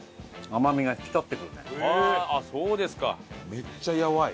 めっちゃやわい！